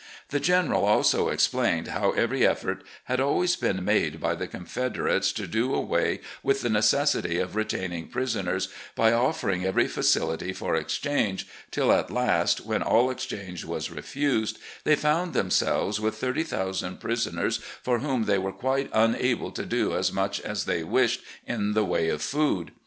The General also explained how every effort LEE'S OPINION UPON THE LATE WAR 231 had always been made by the Confederates to do away with the necessity of retaining prisoners by offering every facility for exchange, till at last, when all exchange was refused, they fotmd themselves with 30,000 prisoners for whom they were quite unable to do as much as they wished in the way of food.